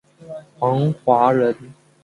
王华人。